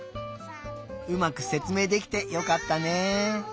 うまくせつめいできてよかったね。